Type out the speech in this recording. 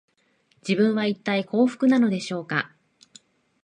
自分は、いったい幸福なのでしょうか